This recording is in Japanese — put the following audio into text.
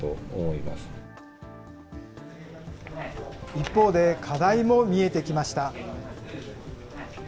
一方で、課題も見えてきました。